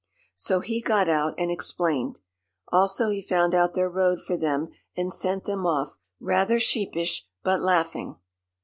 So he got out and explained. Also he found out their road for them and sent them off, rather sheepish, but laughing.